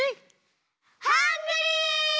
ハングリー！